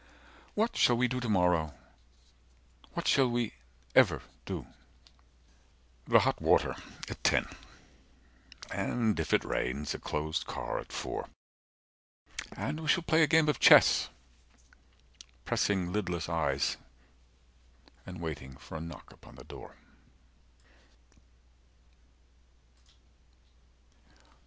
What shall we do to morrow? What shall we ever do?" The hot water at ten. 135 And if it rains, a closed car at four. And we shall play a game of chess, Pressing lidless eyes and waiting for a knock upon the door.